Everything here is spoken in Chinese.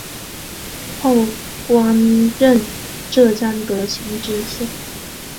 后官任浙江德清知县。